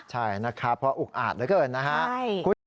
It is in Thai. ใช่นะครับเพราะอุกอาจเกินนะฮะใช่